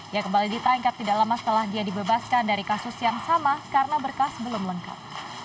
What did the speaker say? ia kembali ditangkap tidak lama setelah dia dibebaskan dari kasus yang sama karena berkas belum lengkap